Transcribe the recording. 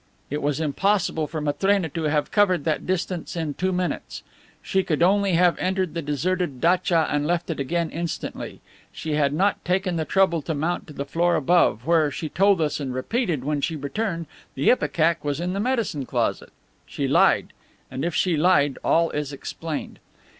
It was impossible for Matrena to have covered that distance in two minutes. She could only have entered the deserted datcha and left it again instantly. She had not taken the trouble to mount to the floor above, where, she told us and repeated when she returned, the ipecac was in the medicine closet. She lied! And if she lied, all is explained.